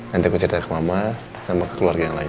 nanti aku ceritain ke mama sama ke keluarga yang lain